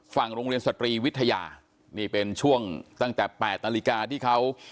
ฝั่งโรงเรียนสตรีวิทยานี่เป็นช่วงตั้งแต่๘นาฬิกาที่เขา